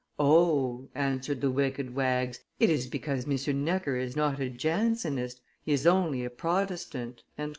answered the wicked wags, "it is because M. Necker is not a Jansenist, he is only a Protestant."